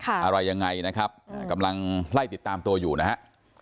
อะไรยังไงนะครับกำลังไล่ติดตามตัวอยู่นะฮะ